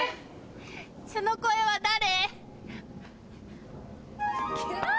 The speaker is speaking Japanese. ・その声は誰？わ！